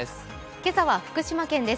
今朝は福島県です。